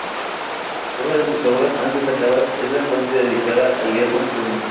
Otra de sus obras más destacadas es la fuente dedicada al dios Neptuno.